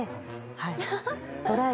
はい。